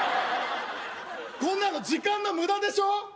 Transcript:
こんなの時間の無駄でしょう？